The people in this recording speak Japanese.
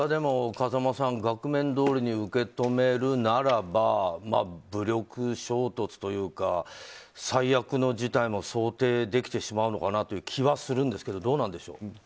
風間さん、これは額面どおりに受け止めるならば武力衝突というか最悪の事態も想定できてしまうのかなという気はするんですけどどうなんでしょう。